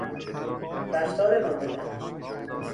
رفتار نمونه